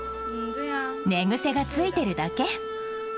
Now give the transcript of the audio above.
寝癖がついてるだけ。